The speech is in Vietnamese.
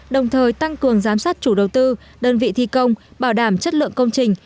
đồng thời tăng cường giám sát chủ đầu tư đơn vị thi công bảo đảm chất lượng công trình